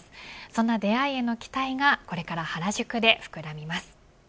そんな出会いへの期待がこれから原宿で膨らみます。